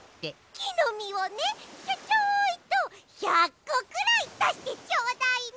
きのみをねちょちょいと１００こくらいだしてちょうだいな。